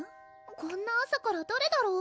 こんな朝から誰だろう？